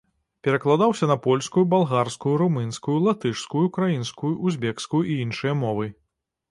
Перакладаўся на польскую, балгарскую, румынскую, латышскую, украінскую, узбекскую і іншыя мовы.